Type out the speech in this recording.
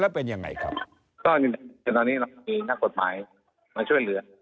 แล้วเป็นยังไงครับก็จนตอนนี้เรามีนักกฎหมายมาช่วยเหลือ